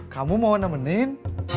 kamu mau nemenin